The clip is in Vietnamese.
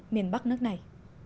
miền bắc nước này